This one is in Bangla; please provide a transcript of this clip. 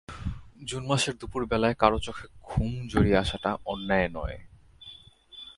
জুন মাসের দুপুরবেলায় কারো চোখে ঘুম জড়িয়ে আসাটা অন্যায় নয়।